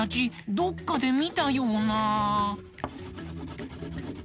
どっかでみたような。